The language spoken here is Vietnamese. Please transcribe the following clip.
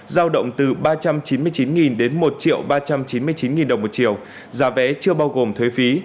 giao động từ ba trăm chín mươi chín đến một ba trăm chín mươi chín đồng một triệu giá vé chưa bao gồm thuế phí